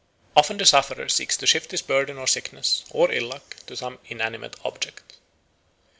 Often the sufferer seeks to shift his burden of sickness or ill luck to some inanimate object.